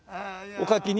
お描きに？